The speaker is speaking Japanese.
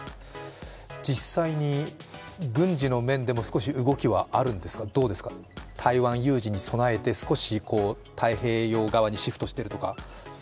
実際に軍事の面でも少し動きはあるんですか、どうですか、台湾有事に備えて、少し太平洋側にシフトしているとか？